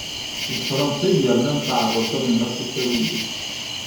D Fransa i yernan tɛerreb tamennaṭ Icawiyen.